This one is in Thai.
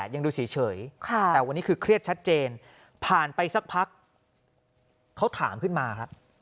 ยังดูเฉยแต่วันนี้คือเครียดชัดเจนผ่านไปสักพักเขาถามขึ้นมาครับ